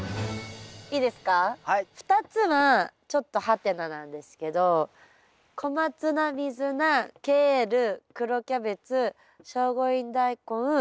２つはちょっとはてななんですけどコマツナミズナケール黒キャベツ聖護院ダイコンカブミニダイコン。